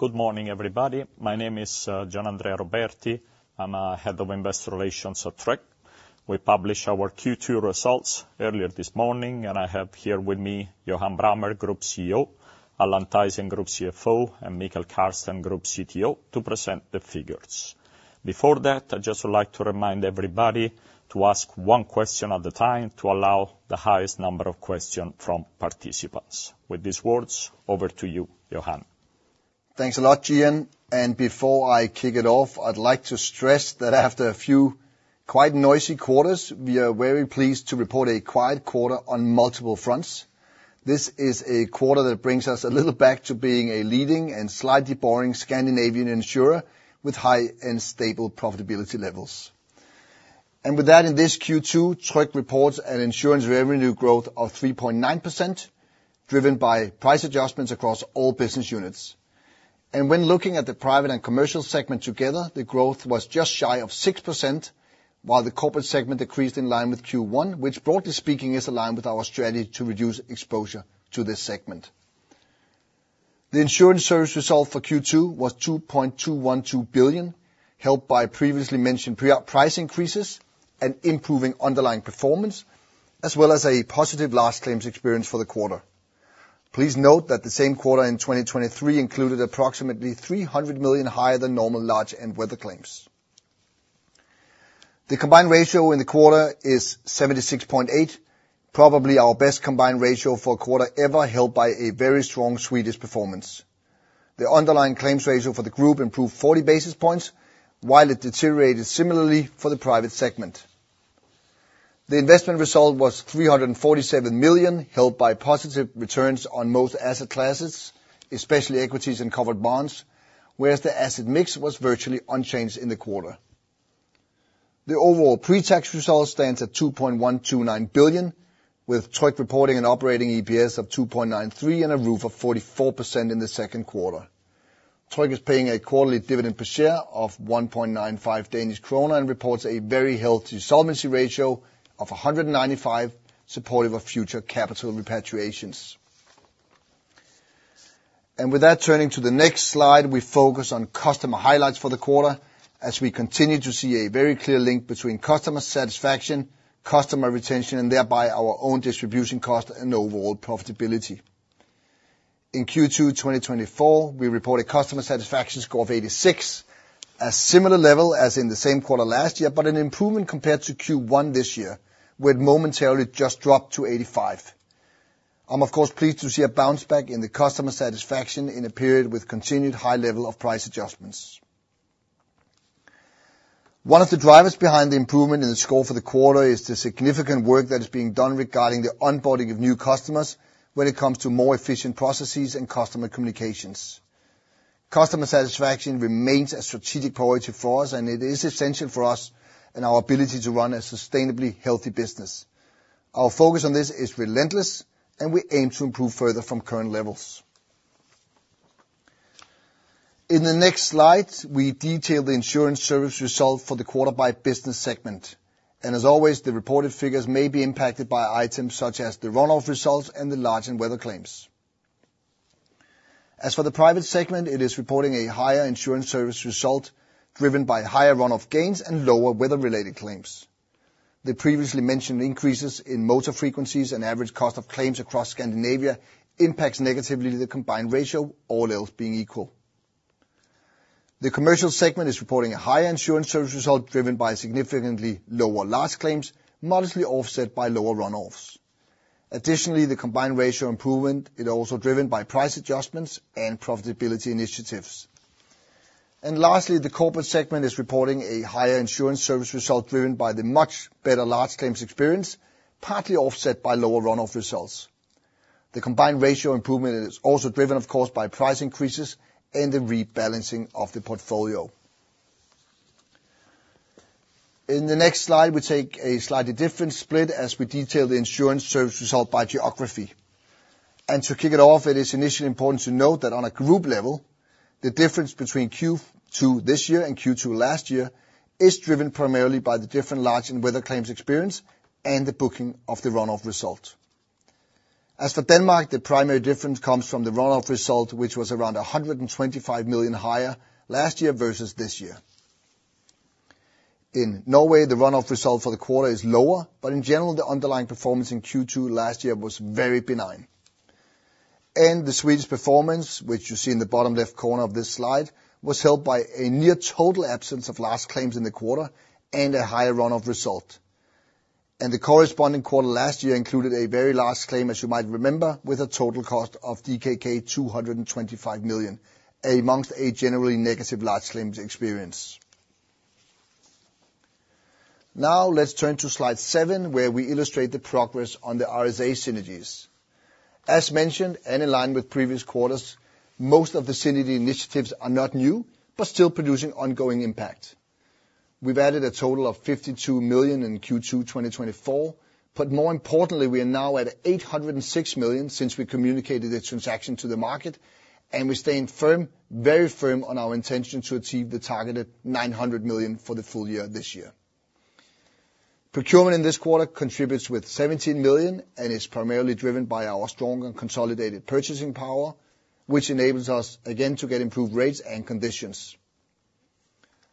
Good morning, everybody. My name is, Gianandrea Roberti. I'm Head of Investor Relations at Tryg. We published our Q2 results earlier this morning, and I have here with me Johan Brammer, Group CEO, Allan Kragh Thaysen, Group CFO, and Mikael Kärrsten, Group CTO, to present the figures. Before that, I'd just would like to remind everybody to ask one question at a time to allow the highest number of question from participants. With these words, over to you, Johan. Thanks a lot, Gian. Before I kick it off, I'd like to stress that after a few quite noisy quarters, we are very pleased to report a quiet quarter on multiple fronts. This is a quarter that brings us a little back to being a leading and slightly boring Scandinavian insurer with high and stable profitability levels. With that, in this Q2, Tryg reports an insurance revenue growth of 3.9%, driven by price adjustments across all business units. When looking at the private and commercial segment together, the growth was just shy of 6%, while the corporate segment decreased in line with Q1, which, broadly speaking, is aligned with our strategy to reduce exposure to this segment. The insurance service result for Q2 was 2.212 billion, helped by previously mentioned price increases and improving underlying performance, as well as a positive large claims experience for the quarter. Please note that the same quarter in 2023 included approximately 300 million higher than normal large and weather claims. The combined ratio in the quarter is 76.8, probably our best combined ratio for a quarter ever, helped by a very strong Swedish performance. The underlying claims ratio for the group improved 40 basis points, while it deteriorated similarly for the private segment. The investment result was 347 million, helped by positive returns on most asset classes, especially equities and covered bonds, whereas the asset mix was virtually unchanged in the quarter. The overall pre-tax result stands at 2.129 billion, with Tryg reporting an operating EPS of 2.93 and a ROE of 44% in the second quarter. Tryg is paying a quarterly dividend per share of 1.95 Danish kroner, and reports a very healthy solvency ratio of 195, supportive of future capital repatriations. With that, turning to the next slide, we focus on customer highlights for the quarter, as we continue to see a very clear link between customer satisfaction, customer retention, and thereby our own distribution cost and overall profitability. In Q2 2024, we reported customer satisfaction score of 86, a similar level as in the same quarter last year, but an improvement compared to Q1 this year, where it momentarily just dropped to 85. I'm, of course, pleased to see a bounce back in the customer satisfaction in a period with continued high level of price adjustments. One of the drivers behind the improvement in the score for the quarter is the significant work that is being done regarding the onboarding of new customers when it comes to more efficient processes and customer communications. Customer satisfaction remains a strategic priority for us, and it is essential for us and our ability to run a sustainably healthy business. Our focus on this is relentless, and we aim to improve further from current levels. In the next slide, we detail the insurance service result for the quarter by business segment, and as always, the reported figures may be impacted by items such as the run-off results and the large and weather claims. As for the private segment, it is reporting a higher insurance service result driven by higher run-off gains and lower weather-related claims. The previously mentioned increases in motor frequencies and average cost of claims across Scandinavia impacts negatively the combined ratio, all else being equal. The commercial segment is reporting a higher insurance service result, driven by significantly lower large claims, modestly offset by lower run-offs. Additionally, the combined ratio improvement is also driven by price adjustments and profitability initiatives. And lastly, the corporate segment is reporting a higher insurance service result driven by the much better large claims experience, partly offset by lower run-off results. The combined ratio improvement is also driven, of course, by price increases and the rebalancing of the portfolio. In the next slide, we take a slightly different split as we detail the insurance service result by geography. To kick it off, it is initially important to note that on a group level, the difference between Q2 this year and Q2 last year is driven primarily by the different large and weather claims experience, and the booking of the run-off result. As for Denmark, the primary difference comes from the run-off result, which was around 125 million higher last year versus this year. In Norway, the run-off result for the quarter is lower, but in general, the underlying performance in Q2 last year was very benign. The Swedish performance, which you see in the bottom left corner of this slide, was helped by a near total absence of large claims in the quarter and a higher run-off result. The corresponding quarter last year included a very large claim, as you might remember, with a total cost of DKK 225 million, among a generally negative large claims experience. Now, let's turn to slide 7, where we illustrate the progress on the RSA synergies. As mentioned, and in line with previous quarters, most of the synergy initiatives are not new, but still producing ongoing impact. We've added a total of 52 million in Q2 2024, but more importantly, we are now at 806 million since we communicated the transaction to the market, and we're staying firm, very firm, on our intention to achieve the targeted 900 million for the full year this year. Procurement in this quarter contributes with 17 million, and is primarily driven by our strong and consolidated purchasing power, which enables us, again, to get improved rates and conditions.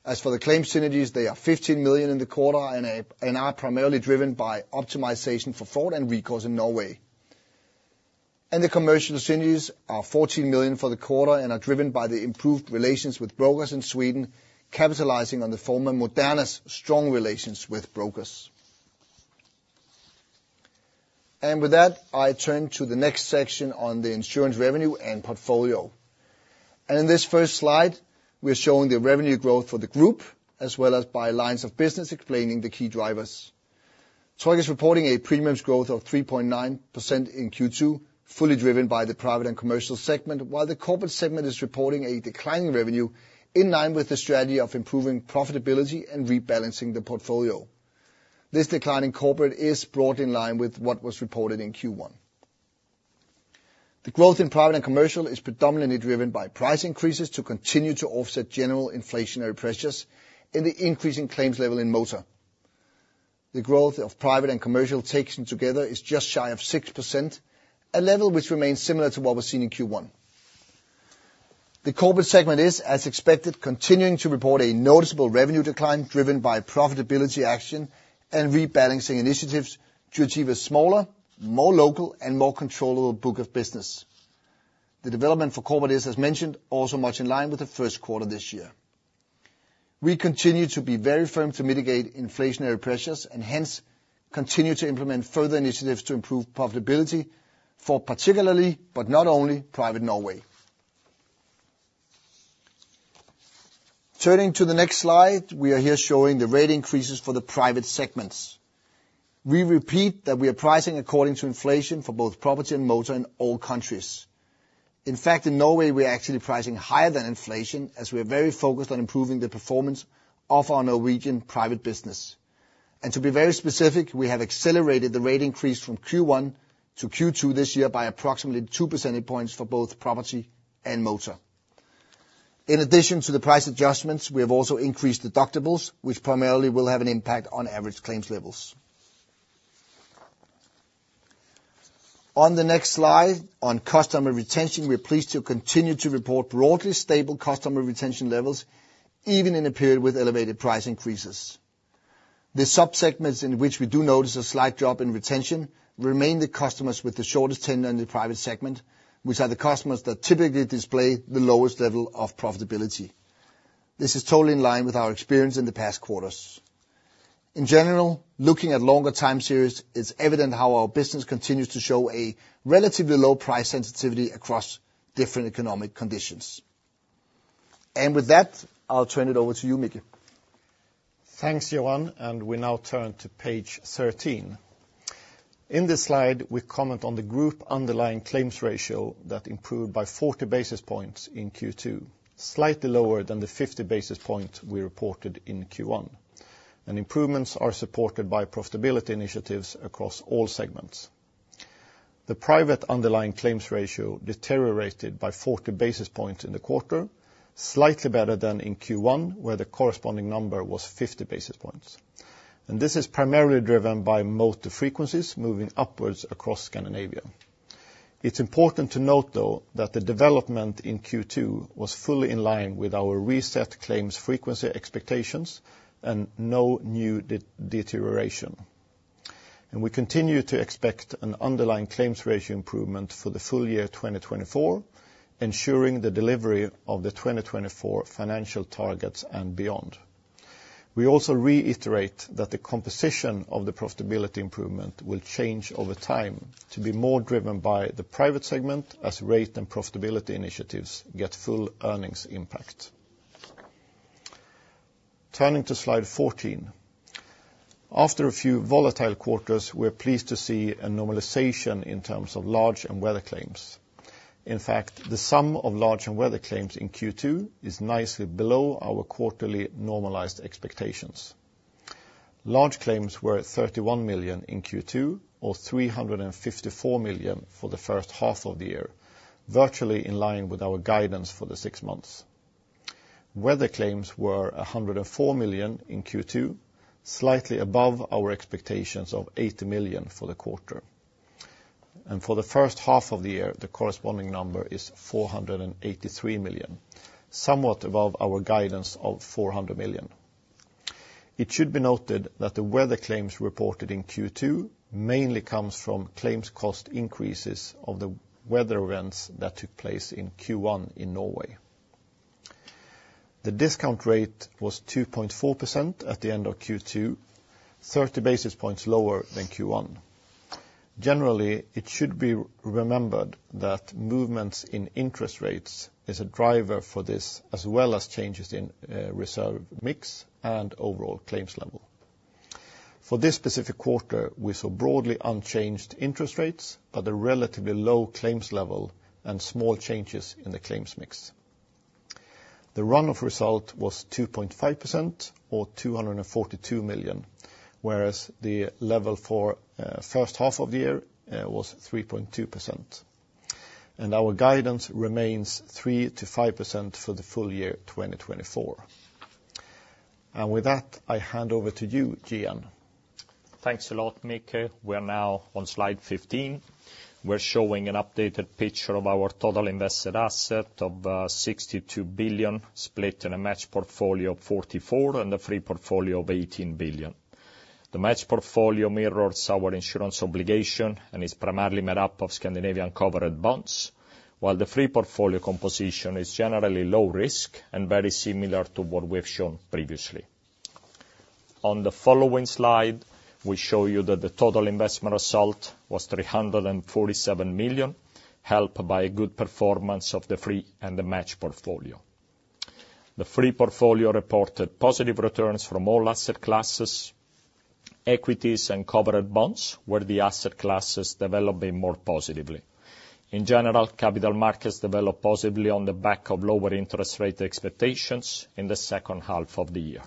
As for the claims synergies, they are 15 million in the quarter and are primarily driven by optimization for fraud and recourse in Norway. The commercial synergies are 14 million for the quarter, and are driven by the improved relations with brokers in Sweden, capitalizing on the former Moderna's strong relations with brokers. With that, I turn to the next section on the insurance revenue and portfolio. In this first slide, we are showing the revenue growth for the group, as well as by lines of business explaining the key drivers. Tryg is reporting a premiums growth of 3.9% in Q2, fully driven by the private and commercial segment, while the corporate segment is reporting a declining revenue in line with the strategy of improving profitability and rebalancing the portfolio. This decline in Corporate is broadly in line with what was reported in Q1. The growth in Private and Commercial is predominantly driven by price increases to continue to offset general inflationary pressures and the increasing claims level in Motor. The growth of Private and Commercial taken together is just shy of 6%, a level which remains similar to what was seen in Q1. The Corporate segment is, as expected, continuing to report a noticeable revenue decline driven by profitability action and rebalancing initiatives to achieve a smaller, more local, and more controllable book of business. The development for Corporate is, as mentioned, also much in line with the first quarter this year. We continue to be very firm to mitigate inflationary pressures, and hence continue to implement further initiatives to improve profitability for particularly, but not only, Private Norway. Turning to the next slide, we are here showing the rate increases for the private segments. We repeat that we are pricing according to inflation for both property and motor in all countries. In fact, in Norway, we are actually pricing higher than inflation, as we are very focused on improving the performance of our Norwegian private business. To be very specific, we have accelerated the rate increase from Q1 to Q2 this year by approximately two percentage points for both property and motor. In addition to the price adjustments, we have also increased deductibles, which primarily will have an impact on average claims levels. On the next slide, on customer retention, we are pleased to continue to report broadly stable customer retention levels, even in a period with elevated price increases. The subsegments in which we do notice a slight drop in retention remain the customers with the shortest tenure in the Private segment, which are the customers that typically display the lowest level of profitability. This is totally in line with our experience in the past quarters. In general, looking at longer time series, it's evident how our business continues to show a relatively low price sensitivity across different economic conditions. With that, I'll turn it over to you, Micke. Thanks, Johan, and we now turn to page 13. In this slide, we comment on the group underlying claims ratio that improved by 40 basis points in Q2, slightly lower than the 50 basis points we reported in Q1. Improvements are supported by profitability initiatives across all segments. The private underlying claims ratio deteriorated by 40 basis points in the quarter, slightly better than in Q1, where the corresponding number was 50 basis points. This is primarily driven by motor frequencies moving upwards across Scandinavia. It's important to note, though, that the development in Q2 was fully in line with our reset claims frequency expectations and no new deterioration. We continue to expect an underlying claims ratio improvement for the full year 2024, ensuring the delivery of the 2024 financial targets and beyond. We also reiterate that the composition of the profitability improvement will change over time to be more driven by the private segment as rate and profitability initiatives get full earnings impact. Turning to slide 14, after a few volatile quarters, we're pleased to see a normalization in terms of large and weather claims. In fact, the sum of large and weather claims in Q2 is nicely below our quarterly normalized expectations. Large claims were at 31 million in Q2, or 354 million for the first half of the year, virtually in line with our guidance for the six months. Weather claims were 104 million in Q2, slightly above our expectations of 80 million for the quarter. For the first half of the year, the corresponding number is 483 million, somewhat above our guidance of 400 million. It should be noted that the weather claims reported in Q2 mainly comes from claims cost increases of the weather events that took place in Q1 in Norway. The discount rate was 2.4% at the end of Q2, 30 basis points lower than Q1. Generally, it should be remembered that movements in interest rates is a driver for this, as well as changes in, reserve mix and overall claims level. For this specific quarter, we saw broadly unchanged interest rates, but a relatively low claims level and small changes in the claims mix. The run-off result was 2.5%, or 242 million, whereas the level for, first half of the year, was 3.2% and our guidance remains 3%-5% for the full year 2024. With that, I hand over to you, Gian. Thanks a lot, Micke. We are now on slide 15. We're showing an updated picture of our total invested asset of 62 billion, split in a matched portfolio of 44, and a free portfolio of 18 billion. The matched portfolio mirrors our insurance obligation, and is primarily made up of Scandinavian covered bonds, while the free portfolio composition is generally low risk, and very similar to what we have shown previously. On the following slide, we show you that the total investment result was 347 million, helped by a good performance of the free and the matched portfolio. The free portfolio reported positive returns from all asset classes, equities, and covered bonds, where the asset classes developing more positively. In general, capital markets develop positively on the back of lower interest rate expectations in the second half of the year.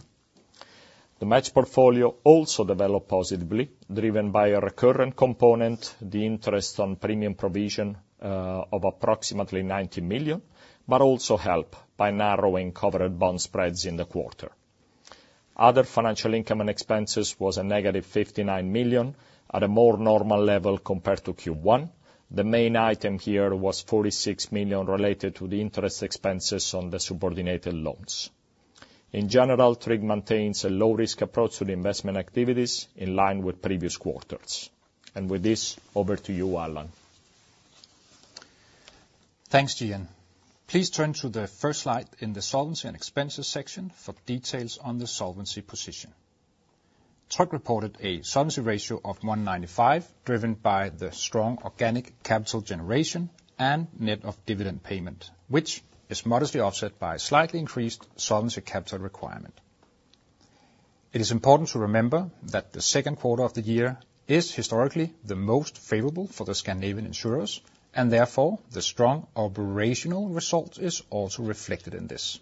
The matched portfolio also developed positively, driven by a recurrent component, the interest on premium provision, of approximately 90 million, but also helped by narrowing covered bond spreads in the quarter. Other financial income and expenses was a negative 59 million, at a more normal level compared to Q1. The main item here was 46 million related to the interest expenses on the subordinated loans. In general, Tryg maintains a low risk approach to the investment activities in line with previous quarters. With this, over to you, Allan. Thanks, Gian. Please turn to the first slide in the solvency and expenses section for details on the solvency position. Tryg reported a solvency ratio of 195, driven by the strong organic capital generation and net of dividend payment, which is modestly offset by a slightly increased solvency capital requirement. It is important to remember that the second quarter of the year is historically the most favorable for the Scandinavian insurers, and therefore, the strong operational result is also reflected in this.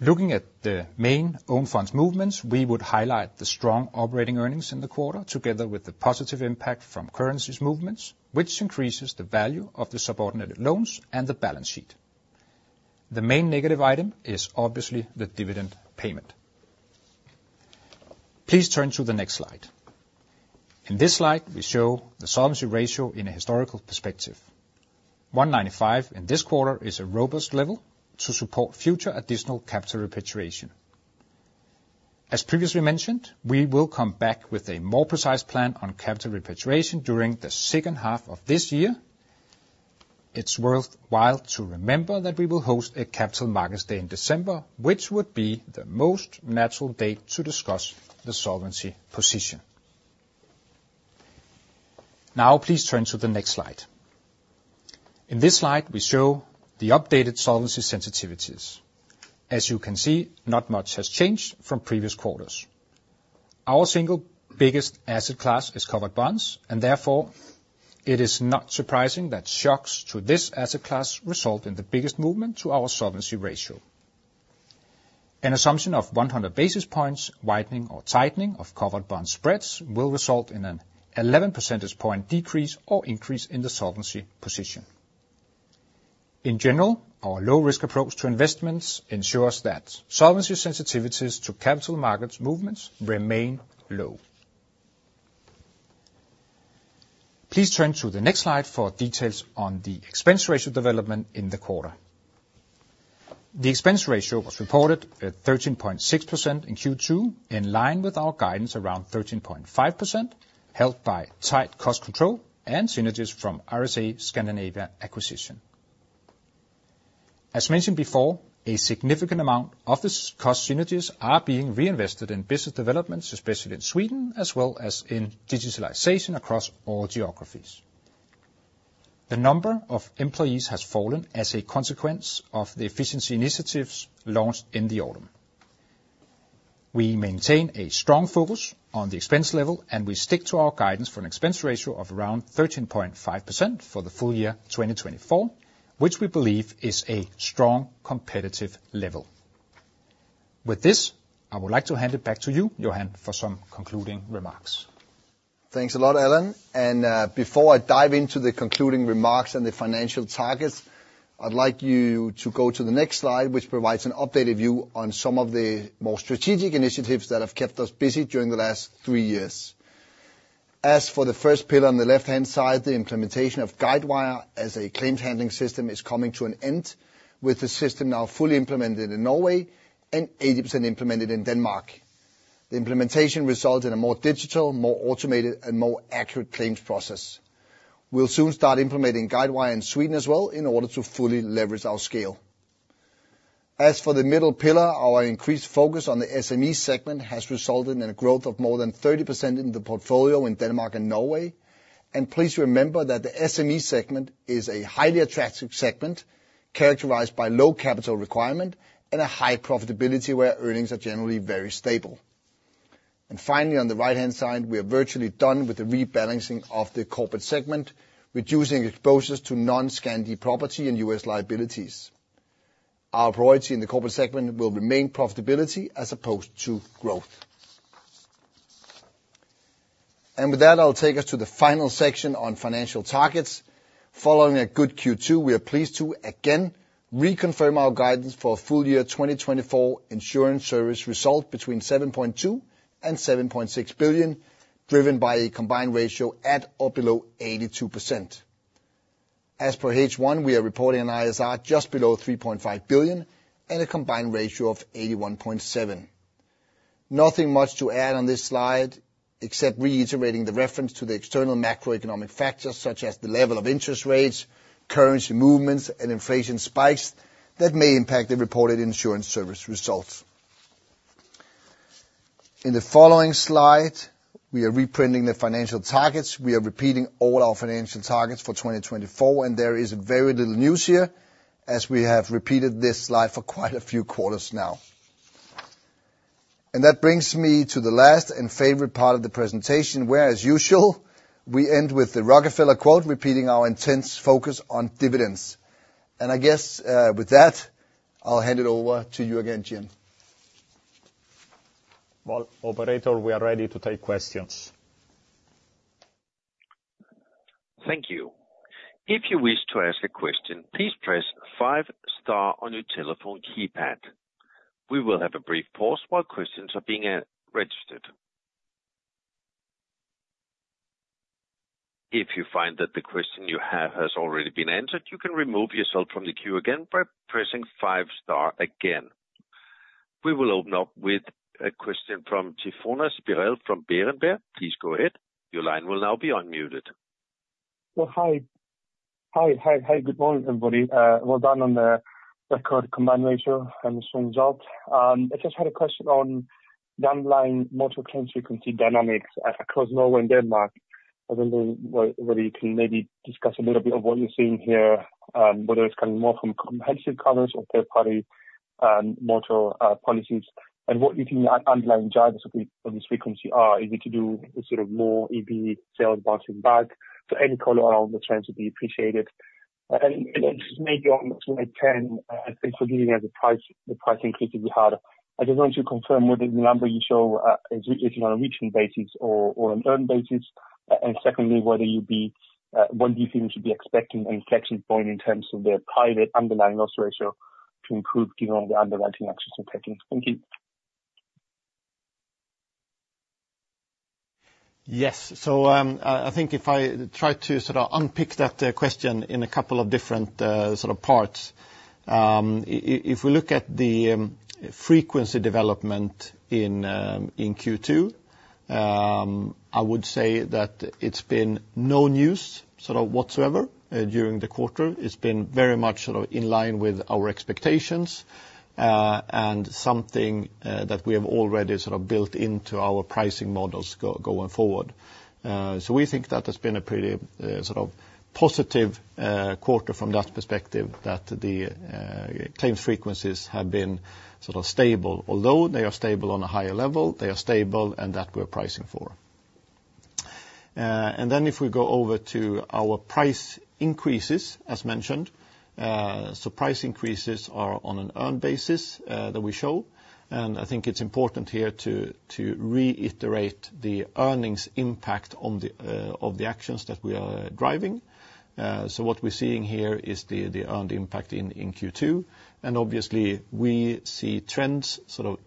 Looking at the main own funds movements, we would highlight the strong operating earnings in the quarter, together with the positive impact from currencies movements, which increases the value of the subordinated loans and the balance sheet. The main negative item is obviously the dividend payment. Please turn to the next slide. In this slide, we show the solvency ratio in a historical perspective. 195% in this quarter is a robust level to support future additional capital repatriation. As previously mentioned, we will come back with a more precise plan on capital repatriation during the second half of this year. It's worthwhile to remember that we will host a capital markets day in December, which would be the most natural date to discuss the solvency position. Now please turn to the next slide. In this slide, we show the updated solvency sensitivities. As you can see, not much has changed from previous quarters. Our single biggest asset class is covered bonds, and therefore, it is not surprising that shocks to this asset class result in the biggest movement to our solvency ratio. An assumption of 100 basis points, widening or tightening of covered bond spreads, will result in an 11 percentage point decrease or increase in the solvency position. In general, our low risk approach to investments ensures that solvency sensitivities to capital markets movements remain low. Please turn to the next slide for details on the expense ratio development in the quarter. The expense ratio was reported at 13.6% in Q2, in line with our guidance around 13.5%, helped by tight cost control and synergies from RSA Scandinavia acquisition. As mentioned before, a significant amount of the cost synergies are being reinvested in business developments, especially in Sweden, as well as in digitalization across all geographies. The number of employees has fallen as a consequence of the efficiency initiatives launched in the autumn. We maintain a strong focus on the expense level, and we stick to our guidance for an expense ratio of around 13.5% for the full year 2024, which we believe is a strong competitive level. With this, I would like to hand it back to you, Johan, for some concluding remarks. Thanks a lot, Allan, and, before I dive into the concluding remarks and the financial targets, I'd like you to go to the next slide, which provides an updated view on some of the more strategic initiatives that have kept us busy during the last three years. As for the first pillar on the left-hand side, the implementation of Guidewire as a claims handling system is coming to an end, with the system now fully implemented in Norway, and 80% implemented in Denmark. The implementation results in a more digital, more automated, and more accurate claims process. We'll soon start implementing Guidewire in Sweden as well, in order to fully leverage our scale. As for the middle pillar, our increased focus on the SME segment has resulted in a growth of more than 30% in the portfolio in Denmark and Norway. And please remember that the SME segment is a highly attractive segment, characterized by low capital requirement and a high profitability, where earnings are generally very stable. And finally, on the right-hand side, we are virtually done with the rebalancing of the corporate segment, reducing exposures to non-Scandi property and U.S. liabilities. Our priority in the corporate segment will remain profitability as opposed to growth. And with that, I'll take us to the final section on financial targets. Following a good Q2, we are pleased to again reconfirm our guidance for full year 2024 insurance service result between 7.2 billion and 7.6 billion, driven by a combined ratio at or below 82%. As per H1, we are reporting an ISR just below 3.5 billion and a combined ratio of 81.7. Nothing much to add on this slide, except reiterating the reference to the external macroeconomic factors, such as the level of interest rates, currency movements, and inflation spikes that may impact the reported insurance service results. In the following slide, we are reprinting the financial targets. We are repeating all our financial targets for 2024, and there is very little news here, as we have repeated this slide for quite a few quarters now. And that brings me to the last and favorite part of the presentation, where, as usual, we end with the Rockefeller quote, repeating our intense focus on dividends. And I guess, with that, I'll hand it over to you again, Gian. Well, operator, we are ready to take questions. Thank you. If you wish to ask a question, please press five star on your telephone keypad. We will have a brief pause while questions are being registered. If you find that the question you have has already been answered, you can remove yourself from the queue again by pressing five star again. We will open up with a question from Tryfonas Spyrou from Berenberg. Please go ahead. Your line will now be unmuted. Well, hi. Hi, hi, hi, good morning, everybody. Well done on the record combined ratio and the strong result. I just had a question on the underlying motor claims frequency dynamics, across Norway and Denmark. I don't know whether you can maybe discuss a little bit of what you're seeing here, whether it's coming more from comprehensive covers or third party motor policies, and what you think the underlying drivers of this frequency are. Is it to do with sort of more EV sales bouncing back? So any color around the trends would be appreciated. And just maybe on to like 10 thanks for giving me the price, the price increase will be harder. I just want to confirm whether the number you show is on a written basis or an earned basis. And secondly, whether you'd be, when do you think we should be expecting an inflection point in terms of the private underlying loss ratio to improve given on the underwriting actions you're taking? Thank you. Yes. So, I think if I try to sort of unpick that question in a couple of different sort of parts, if we look at the frequency development in Q2, I would say that it's been no news, sort of, whatsoever, during the quarter. It's been very much, sort of, in line with our expectations, and something that we have already sort of built into our pricing models going forward. So we think that has been a pretty sort of positive quarter from that perspective, that the claims frequencies have been sort of stable. Although they are stable on a higher level, they are stable, and that we're pricing for. And then if we go over to our price increases, as mentioned, so price increases are on an earned basis that we show, and I think it's important here to reiterate the earnings impact of the actions that we are driving. So what we're seeing here is the earned impact in Q2. And obviously, we see trends sort of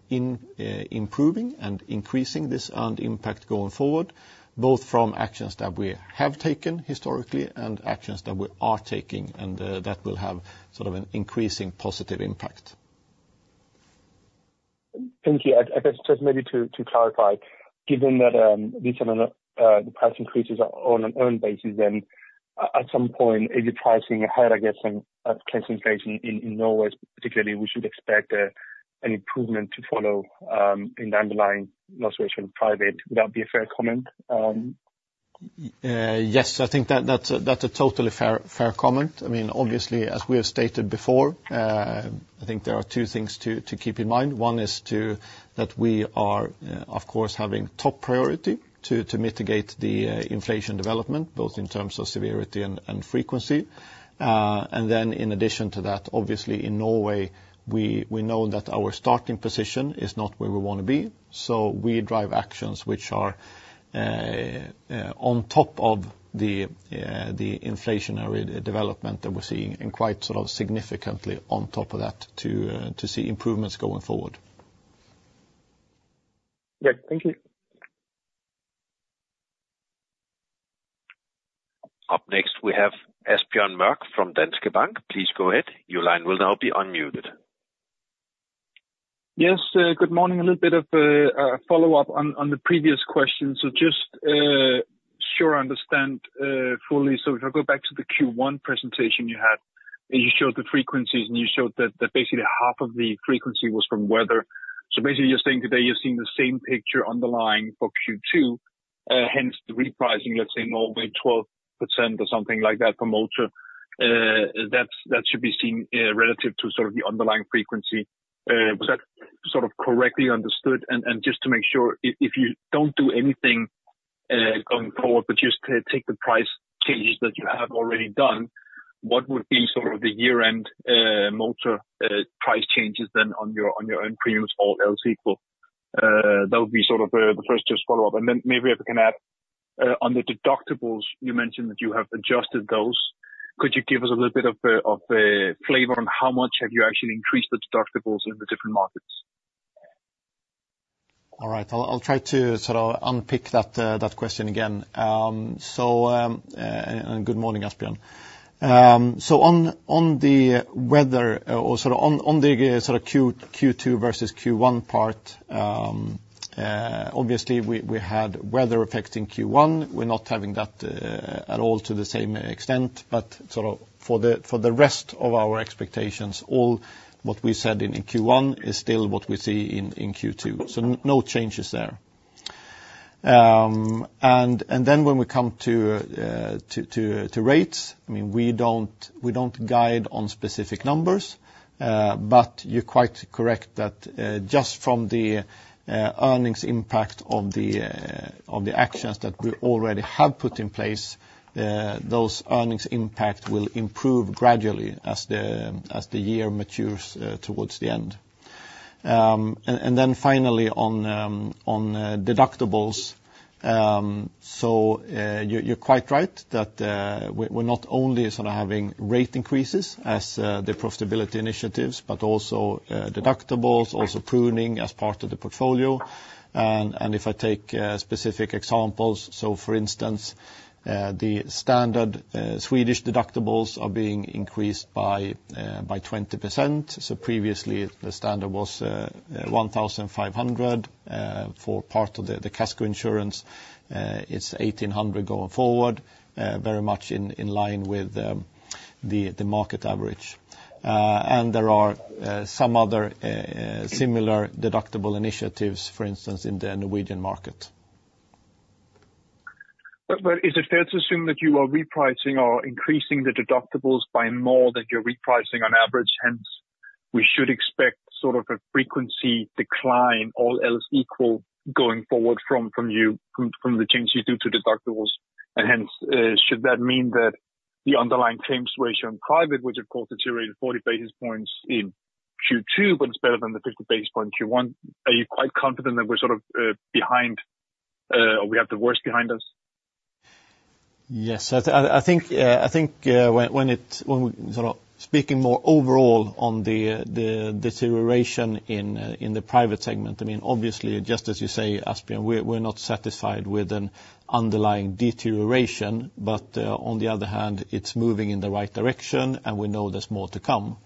improving and increasing this earned impact going forward, both from actions that we have taken historically and actions that we are taking, and that will have sort of an increasing positive impact. Thank you. I just maybe to clarify, given that these are the price increases are on an earned basis, then at some point, if you're pricing ahead, I guess, of claims inflation in Norway, particularly, we should expect an improvement to follow in the underlying loss ratio in private. Would that be a fair comment? Yes, I think that, that's a totally fair comment. I mean, obviously, as we have stated before, I think there are two things to keep in mind. One is that we are, of course, having top priority to mitigate the inflation development, both in terms of severity and frequency. And then in addition to that, obviously in Norway, we know that our starting position is not where we want to be, so we drive actions which are on top of the inflationary development that we're seeing, and quite sort of significantly on top of that, to see improvements going forward. Yeah. Thank you. Up next, we have Asbjørn Mørk from Danske Bank. Please go ahead. Your line will now be unmuted. Yes, good morning. A little bit of follow-up on the previous question. So just sure I understand fully. So if I go back to the Q1 presentation you had, and you showed the frequencies, and you showed that basically half of the frequency was from weather. So basically, you're saying today, you're seeing the same picture on the line for Q2, hence the repricing, let's say Norway, 12% or something like that for motor. That's, that should be seen relative to sort of the underlying frequency. Was that sort of correctly understood? And just to make sure, if you don't do anything going forward, but just take the price changes that you have already done. What would be sort of the year-end, motor, price changes then on your, on your own premiums, all else equal? That would be sort of, the first just follow-up, and then maybe I can add, on the deductibles, you mentioned that you have adjusted those. Could you give us a little bit of, of, flavor on how much have you actually increased the deductibles in the different markets? All right, I'll try to sort of unpick that question again. So, good morning, Asbjørn. So on the weather, or sort of on the Q2 versus Q1 part, obviously, we had weather affecting Q1. We're not having that at all to the same extent, but sort of for the rest of our expectations, all what we said in Q1 is still what we see in Q2, so no changes there. And then when we come to rates, I mean, we don't guide on specific numbers, but you're quite correct that just from the earnings impact of the actions that we already have put in place, those earnings impact will improve gradually as the year matures towards the end. And then finally on deductibles, so you're quite right that we're not only sort of having rate increases as the profitability initiatives, but also deductibles, also pruning as part of the portfolio. And if I take specific examples, so for instance, the standard Swedish deductibles are being increased by 20%. So previously, the standard was 1,500 for part of the Casco Insurance; it's 1,800 going forward, very much in line with the market average. There are some other similar deductible initiatives, for instance, in the Norwegian market. But is it fair to assume that you are repricing or increasing the deductibles by more than you're repricing on average, hence, we should expect sort of a frequency decline, all else equal, going forward from the changes you do to deductibles? And hence, should that mean that the underlying claim situation in private, which of course, deteriorated 40 basis points in Q2, but it's better than the 50 basis points Q1, are you quite confident that we're sort of behind, or we have the worst behind us? Yes. I think, when we sort of speaking more overall on the deterioration in the private segment, I mean, obviously, just as you say, Asbjørn, we're not satisfied with an underlying deterioration, but on the other hand, it's moving in the right direction, and we know there's more to come.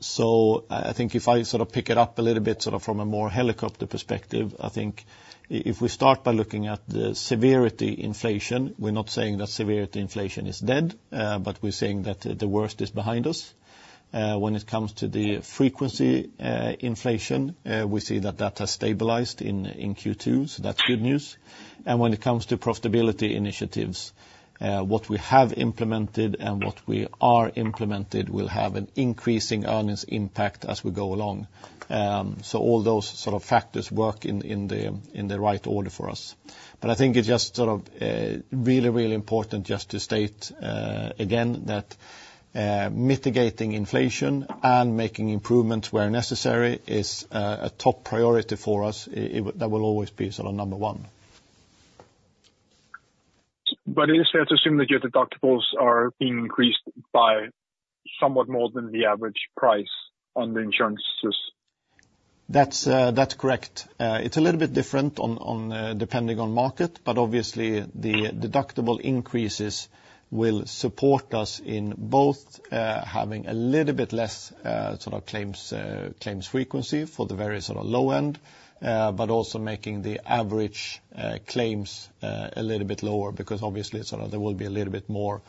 So I think if I sort of pick it up a little bit, sort of from a more helicopter perspective, I think if we start by looking at the severity inflation, we're not saying that severity inflation is dead, but we're saying that the worst is behind us. When it comes to the frequency inflation, we see that that has stabilized in Q2, so that's good news. When it comes to profitability initiatives, what we have implemented and what we are implemented will have an increasing earnings impact as we go along. So all those sort of factors work in the right order for us. But I think it's just sort of really, really important just to state again that mitigating inflation and making improvements where necessary is a top priority for us. It, that will always be sort of number one. Is it fair to assume that your deductibles are being increased by somewhat more than the average price on the insurances? That's correct. It's a little bit different on, on, depending on market, but obviously, the deductible increases will support us in both, having a little bit less, sort of claims, claims frequency for the very sort of low end, but also making the average, claims, a little bit lower, because obviously, sort of there will be a little bit more,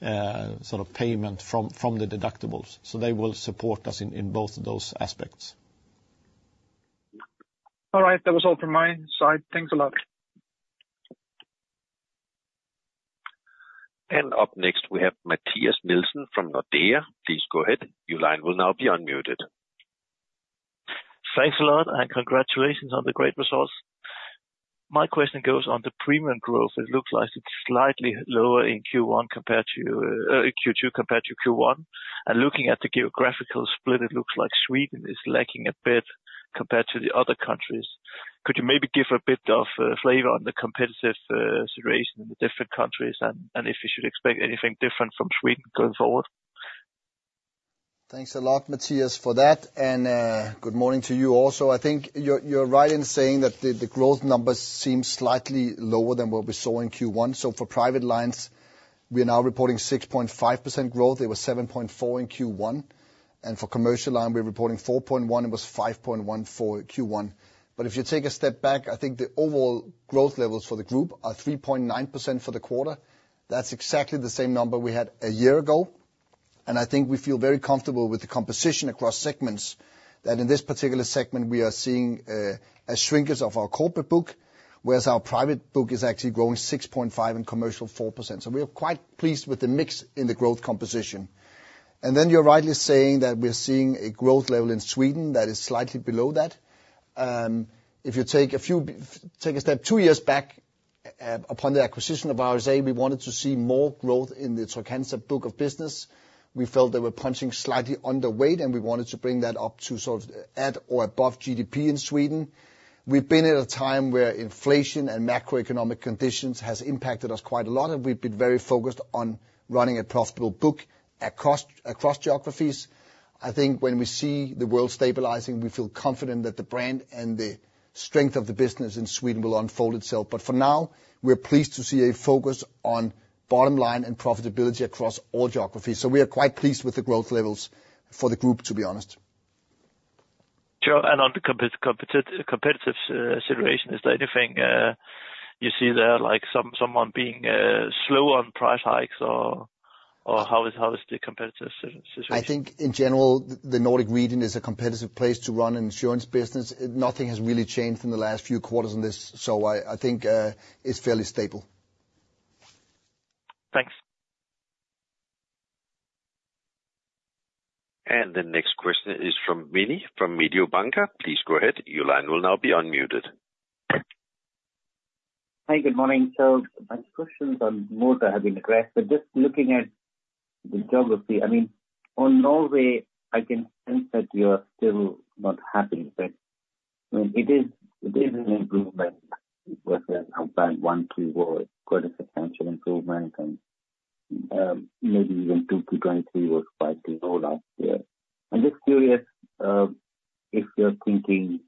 sort of payment from, from the deductibles. So they will support us in, in both of those aspects. All right, that was all from my side. Thanks a lot. Up next, we have Mathias Nielsen from Nordea. Please go ahead. Your line will now be unmuted. Thanks a lot, and congratulations on the great results. My question goes on the premium growth. It looks like it's slightly lower in Q1 compared to Q2 compared to Q1. And looking at the geographical split, it looks like Sweden is lagging a bit compared to the other countries. Could you maybe give a bit of flavor on the competitive situation in the different countries, and, and if you should expect anything different from Sweden going forward? Thanks a lot, Mathias, for that, and good morning to you also. I think you're right in saying that the growth numbers seem slightly lower than what we saw in Q1. So for private lines, we are now reporting 6.5% growth. It was 7.4 in Q1, and for commercial line, we're reporting 4.1, it was 5.1 for Q1. But if you take a step back, I think the overall growth levels for the group are 3.9% for the quarter. That's exactly the same number we had a year ago, and I think we feel very comfortable with the composition across segments, that in this particular segment, we are seeing a shrinkage of our corporate book, whereas our private book is actually growing 6.5 and commercial, 4%. We are quite pleased with the mix in the growth composition. Then you're rightly saying that we're seeing a growth level in Sweden that is slightly below that. If you take a step two years back, upon the acquisition of RSA, we wanted to see more growth in the Trygg-Hansa book of business. We felt they were punching slightly underweight, and we wanted to bring that up to sort of at or above GDP in Sweden. We've been at a time where inflation and macroeconomic conditions has impacted us quite a lot, and we've been very focused on running a profitable book across, across geographies. I think when we see the world stabilizing, we feel confident that the brand and the strength of the business in Sweden will unfold itself. But for now, we're pleased to see a focus on bottom line and profitability across all geographies. So we are quite pleased with the growth levels for the group, to be honest. Sure. And on the competitive situation, is there anything you see there, like, someone being slow on price hikes, or how is the competitive situation? I think in general, the Nordic region is a competitive place to run an insurance business. Nothing has really changed in the last few quarters on this, so I, I think, it's fairly stable. Thanks. The next question is from Vinit, from Mediobanca. Please go ahead. Your line will now be unmuted. Hi, good morning. So my questions on most have been addressed, but just looking at the geography, I mean, on Norway, I can sense that you're still not happy with it. I mean, it is an improvement versus how bad one, two was, quite a substantial improvement and maybe even to 2023 was quite low last year. I'm just curious if you're thinking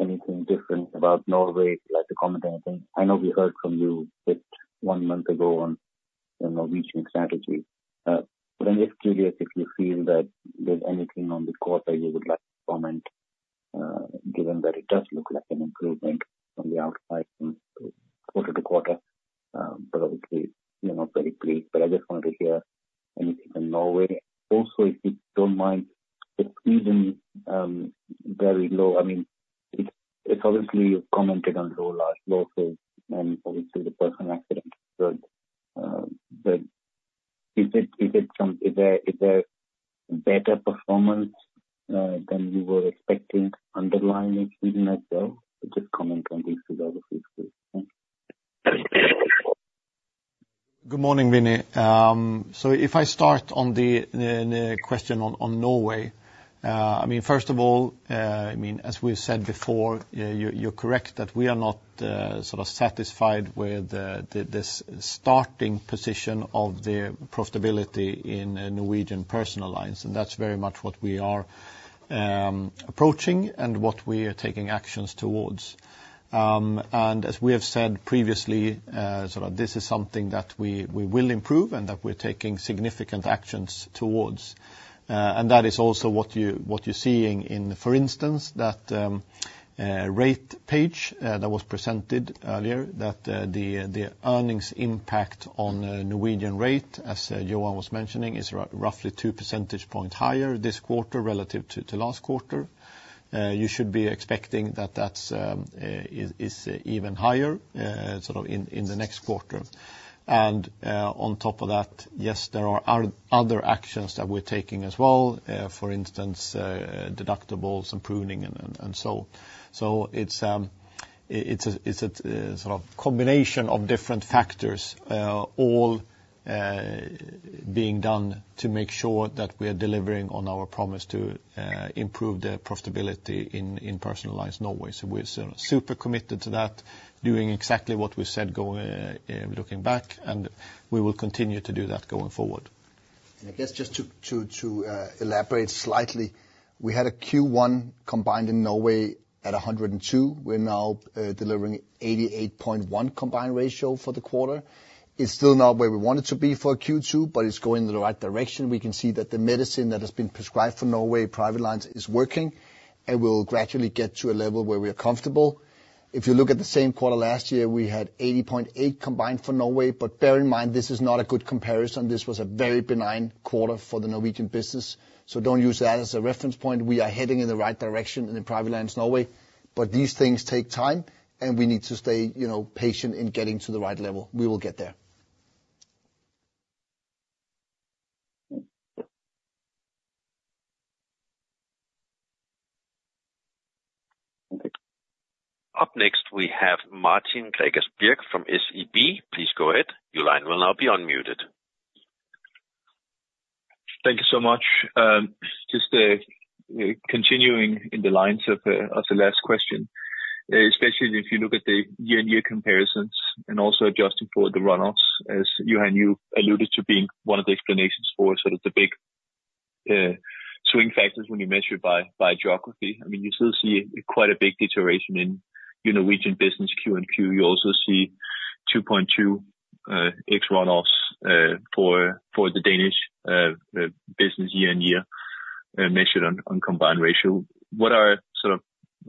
anything different about Norway, like to comment anything? I know we heard from you about one month ago on the Norwegian strategy, but I'm just curious if you feel that there's anything on the quarter you would like to comment, given that it does look like an improvement from the outside from quarter to quarter. But obviously, you're not very pleased, but I just wanted to hear anything in Norway. Also, if you don't mind, it's even very low. I mean, it's obviously you've commented on low last low, so, and obviously the personal accident. But, but is there better performance than you were expecting underlying in Sweden as well? Just comment on these two geographies, please. Thanks. Good morning, Vinnie. So if I start on the question on Norway, I mean, first of all, I mean, as we said before, you're correct that we are not sort of satisfied with this starting position of the profitability in Norwegian personal lines. And that's very much what we are approaching and what we are taking actions towards. And as we have said previously, sort of this is something that we will improve and that we're taking significant actions towards. And that is also what you're seeing in, for instance, that rate page that was presented earlier, that the earnings impact on Norwegian rate, as Johan was mentioning, is roughly two percentage points higher this quarter relative to last quarter. You should be expecting that that's even higher, sort of in the next quarter. And on top of that, yes, there are other actions that we're taking as well, for instance, deductibles and pruning and so on. So it's a sort of combination of different factors, all being done to make sure that we are delivering on our promise to improve the profitability in personal lines, Norway. So we're super committed to that, doing exactly what we said going looking back, and we will continue to do that going forward. I guess just to elaborate slightly, we had a Q1 combined in Norway at 102%. We're now delivering 88.1% combined ratio for the quarter. It's still not where we want it to be for Q2, but it's going in the right direction. We can see that the medicine that has been prescribed for Norway, private lines, is working, and we'll gradually get to a level where we are comfortable. If you look at the same quarter last year, we had 80.8% combined for Norway, but bear in mind, this is not a good comparison. This was a very benign quarter for the Norwegian business, so don't use that as a reference point. We are heading in the right direction in the private lines, Norway, but these things take time, and we need to stay, you know, patient in getting to the right level. We will get there. Thank you. Up next, we have Martin Gregers Birk from SEB. Please go ahead. Your line will now be unmuted. Thank you so much. Just continuing in the lines of the last question, especially if you look at the year-over-year comparisons and also adjusting for the run-offs, as Johan, you alluded to being one of the explanations for sort of the big swing factors when you measure it by geography. I mean, you still see quite a big deterioration in your Norwegian business, Q and Q. You also see 2.2 ex run-offs for the Danish business year-over-year measured on combined ratio. What are, sort of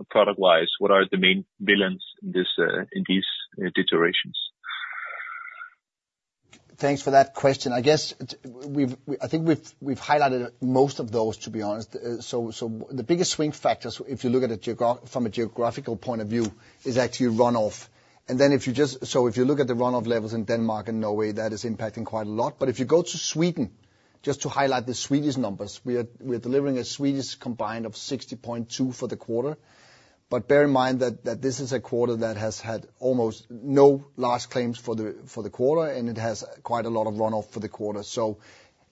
product wise, what are the main villains in this in these deteriorations? Thanks for that question. I guess we've, I think we've highlighted most of those, to be honest. So the biggest swing factors, if you look at it from a geographical point of view, is actually runoff. And then if you just so if you look at the runoff levels in Denmark and Norway, that is impacting quite a lot. But if you go to Sweden. Just to highlight the Swedish numbers, we are delivering a Swedish combined of 60.2 for the quarter. But bear in mind that this is a quarter that has had almost no large claims for the quarter, and it has quite a lot of runoff for the quarter. So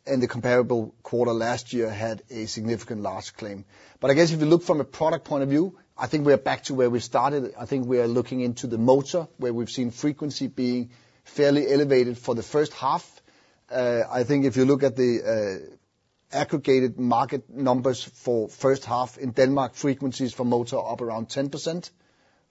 in the comparable quarter last year, had a significant large claim. But I guess if you look from a product point of view, I think we are back to where we started. I think we are looking into the motor, where we've seen frequency being fairly elevated for the first half. I think if you look at the aggregated market numbers for first half in Denmark, frequencies for motor are up around 10%.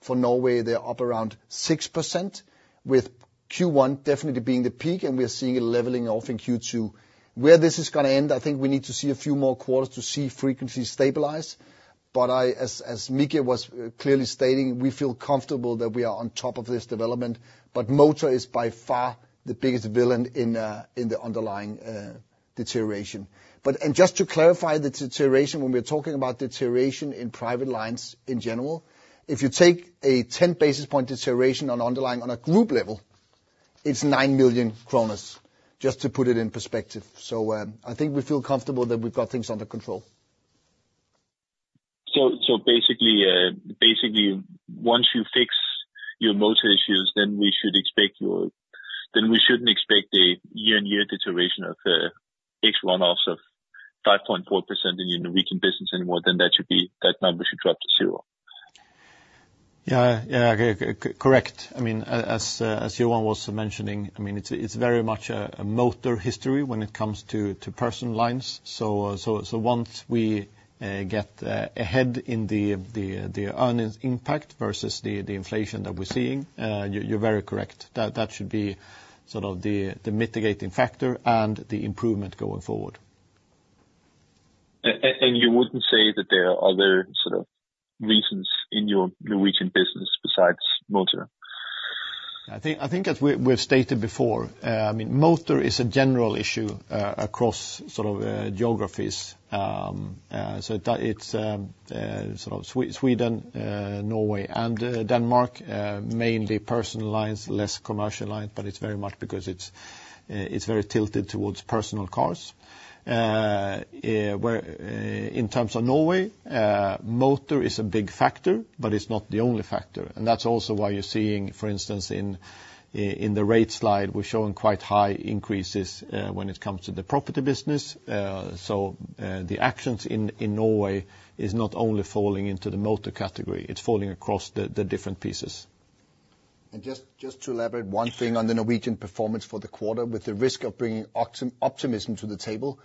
For Norway, they're up around 6%, with Q1 definitely being the peak, and we are seeing it leveling off in Q2. Where this is gonna end, I think we need to see a few more quarters to see frequency stabilize. But as Micke was clearly stating, we feel comfortable that we are on top of this development. But motor is by far the biggest villain in the underlying deterioration. And just to clarify the deterioration, when we're talking about deterioration in private lines in general, if you take a 10 basis point deterioration on underlying on a group level, it's 9 million kroner, just to put it in perspective. So, I think we feel comfortable that we've got things under control. So, basically, once you fix your motor issues, then we should expect you... Then we shouldn't expect a year-on-year deterioration of X one-offs of 5.4% in the Norwegian business anymore, then that should be, that number should drop to zero. Yeah, yeah, correct. I mean, as Johan was mentioning, I mean, it's very much a motor history when it comes to personal lines. So once we get ahead in the earnings impact versus the inflation that we're seeing, you're very correct, that should be sort of the mitigating factor and the improvement going forward. You wouldn't say that there are other sort of reasons in your Norwegian business besides motor? I think as we've stated before, I mean, motor is a general issue across sort of geographies. So it is sort of Sweden, Norway and Denmark, mainly personal lines, less commercial lines, but it's very much because it is very tilted towards personal cars. Where, in terms of Norway, motor is a big factor, but it's not the only factor. And that's also why you're seeing, for instance, in the rate slide, we're showing quite high increases when it comes to the property business. So the actions in Norway is not only falling into the motor category, it's falling across the different pieces. And just to elaborate one thing on the Norwegian performance for the quarter, with the risk of bringing optimism to the table,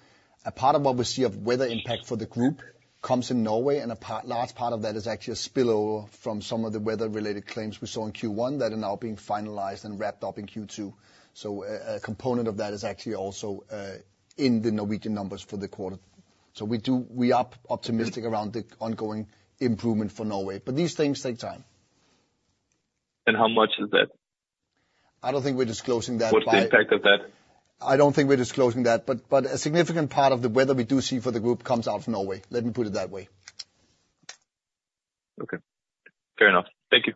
a part of what we see of weather impact for the group comes in Norway, and a part, large part of that is actually a spillover from some of the weather-related claims we saw in Q1 that are now being finalized and wrapped up in Q2. So a component of that is actually also in the Norwegian numbers for the quarter. So we are optimistic around the ongoing improvement for Norway, but these things take time. How much is that? I don't think we're disclosing that. What's the impact of that? I don't think we're disclosing that, but, but a significant part of the weather we do see for the group comes out of Norway. Let me put it that way. Okay, fair enough. Thank you.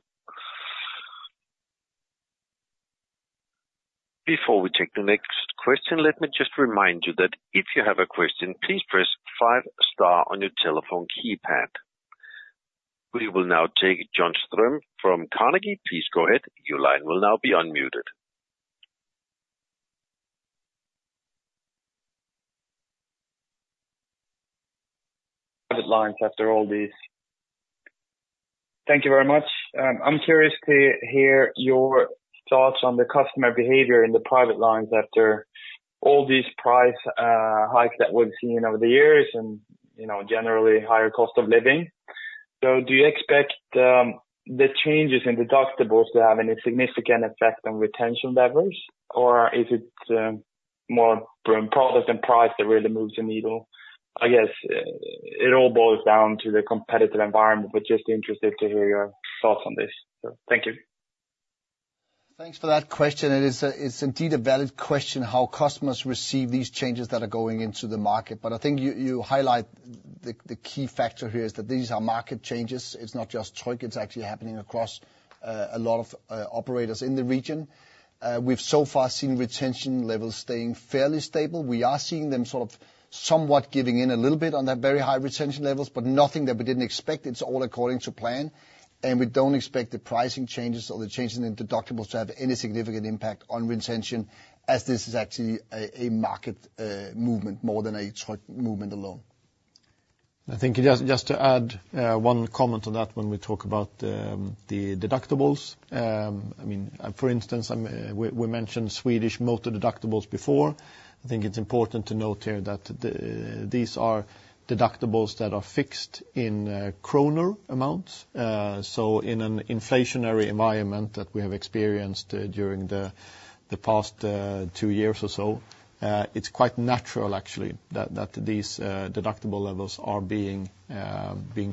Before we take the next question, let me just remind you that if you have a question, please press 5 star on your telephone keypad. We will now take Johan Strøm from Carnegie. Please go ahead. Your line will now be unmuted. Private lines after all these. Thank you very much. I'm curious to hear your thoughts on the customer behavior in the private lines after all these price hikes that we've seen over the years and, you know, generally higher cost of living. So do you expect the changes in deductibles to have any significant effect on retention levers? Or is it more product and price that really moves the needle? I guess it all boils down to the competitive environment, but just interested to hear your thoughts on this. So thank you. Thanks for that question, and it's a, it's indeed a valid question, how customers receive these changes that are going into the market. But I think you highlight the key factor here is that these are market changes. It's not just Tryg, it's actually happening across a lot of operators in the region. We've so far seen retention levels staying fairly stable. We are seeing them sort of somewhat giving in a little bit on that very high retention levels, but nothing that we didn't expect. It's all according to plan, and we don't expect the pricing changes or the changes in deductibles to have any significant impact on retention, as this is actually a market movement more than a Tryg movement alone. I think just to add one comment on that when we talk about the deductibles. I mean, for instance, we mentioned Swedish motor deductibles before. I think it's important to note here that these are deductibles that are fixed in kroner amounts. So in an inflationary environment that we have experienced during the past two years or so, it's quite natural actually that these deductible levels are being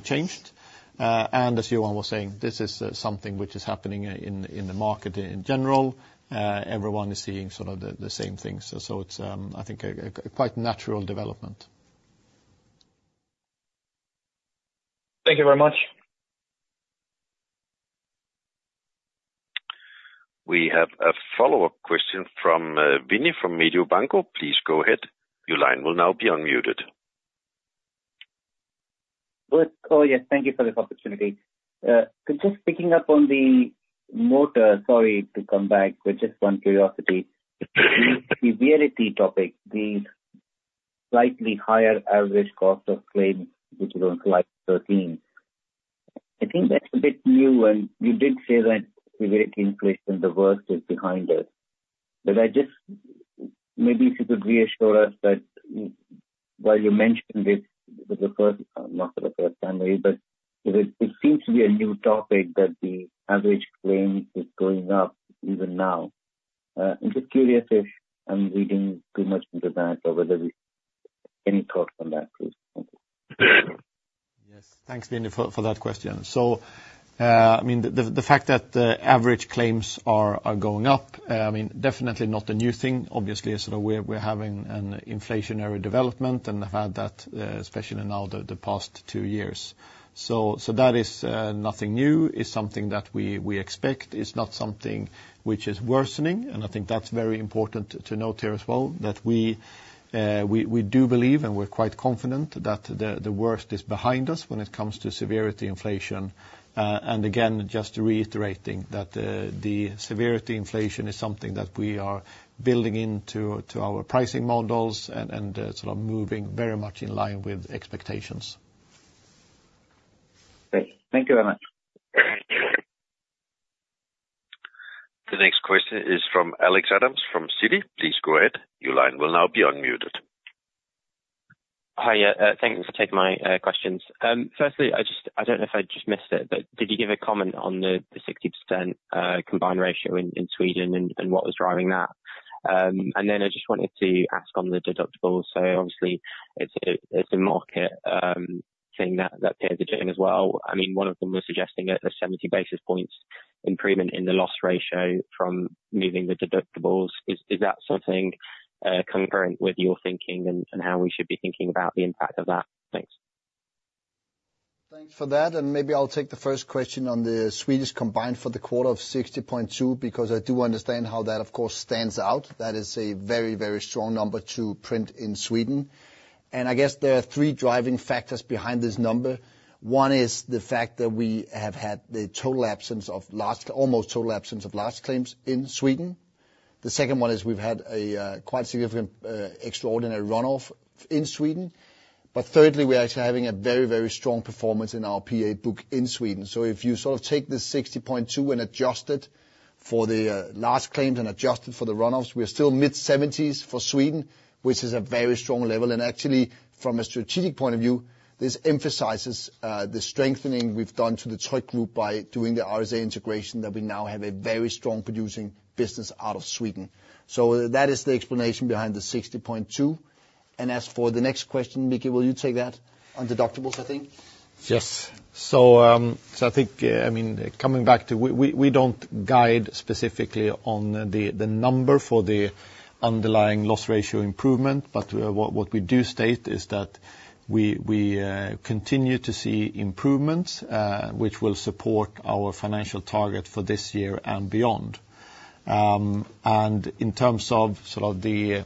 changed. And as Johan was saying, this is something which is happening in the market in general. Everyone is seeing sort of the same things. So it's, I think, a quite natural development. Thank you very much. We have a follow-up question from Vinit from Mediobanca. Please go ahead. Your line will now be unmuted. Good. Oh, yes, thank you for this opportunity. So just picking up on the motor, sorry to come back, but just one curiosity. The severity topic, the slightly higher average cost of claims, which is on slide 13, I think that's a bit new, and you did say that severity inflation, the worst is behind us. But I just, maybe if you could reassure us that while you mentioned it, was the first, not for the first time really, but it, it seems to be a new topic that the average claim is going up even now. I'm just curious if I'm reading too much into that, or whether we, any thoughts on that, please? Thank you. Yes, thanks, Vinnie, for that question. So, I mean, the fact that average claims are going up, I mean, definitely not a new thing. Obviously, sort of, we're having an inflationary development, and have had that, especially now, the past two years. So, that is nothing new, it's something that we expect. It's not something which is worsening, and I think that's very important to note here as well, that we do believe, and we're quite confident that the worst is behind us when it comes to severity inflation. And again, just reiterating that, the severity inflation is something that we are building into our pricing models, and sort of moving very much in line with expectations. Great. Thank you very much. The next question is from Alexander Evans from Citi. Please go ahead. Your line will now be unmuted. Hi, yeah, thank you for taking my questions. Firstly, I just, I don't know if I just missed it, but did you give a comment on the 60% combined ratio in Sweden, and what was driving that? And then I just wanted to ask on the deductibles. So obviously, it's a market thing that pays again as well. I mean, one of them was suggesting a 70 basis points improvement in the loss ratio from moving the deductibles. Is that something concurrent with your thinking, and how we should be thinking about the impact of that? Thanks. Thanks for that, and maybe I'll take the first question on the Swedish combined ratio for the quarter of 60.2, because I do understand how that, of course, stands out. That is a very, very strong number to print in Sweden. And I guess there are three driving factors behind this number. One is the fact that we have had the total absence of large, almost total absence of large claims in Sweden. The second one is we've had a quite significant extraordinary run-off in Sweden. But thirdly, we're actually having a very, very strong performance in our PA book in Sweden. So if you sort of take this 60.2 and adjust it for the large claims and adjust it for the run-offs, we are still mid-70s for Sweden, which is a very strong level. And actually, from a strategic point of view, this emphasizes the strengthening we've done to the Tryg Group by doing the RSA integration, that we now have a very strong producing business out of Sweden. So that is the explanation behind the 60.2. And as for the next question, Micke, will you take that? On deductibles, I think. Yes. So, so I think, I mean, coming back to we don't guide specifically on the number for the underlying loss ratio improvement, but, what we do state is that we continue to see improvements, which will support our financial target for this year and beyond. And in terms of sort of the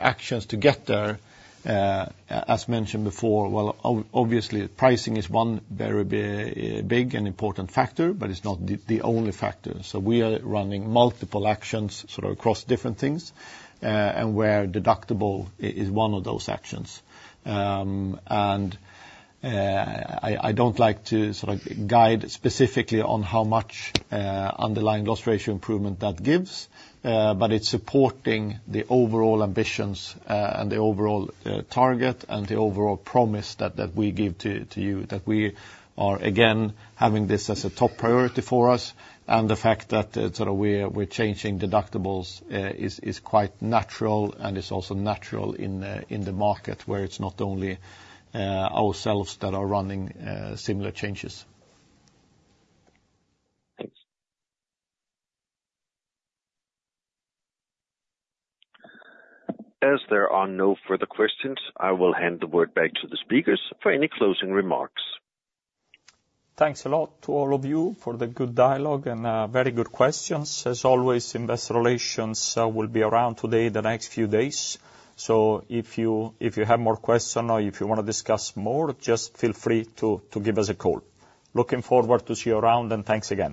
actions to get there, as mentioned before, well, obviously, pricing is one very big, big and important factor, but it's not the only factor. So we are running multiple actions, sort of, across different things, and where deductible is one of those actions. I don't like to sort of guide specifically on how much underlying loss ratio improvement that gives, but it's supporting the overall ambitions, and the overall target, and the overall promise that we give to you, that we are, again, having this as a top priority for us. And the fact that sort of we're changing deductibles is quite natural, and it's also natural in the market, where it's not only ourselves that are running similar changes. Thanks. As there are no further questions, I will hand the word back to the speakers for any closing remarks. Thanks a lot to all of you for the good dialogue and, very good questions. As always, investor relations will be around today, the next few days. So if you, if you have more questions or if you wanna discuss more, just feel free to, to give us a call. Looking forward to see you around, and thanks again.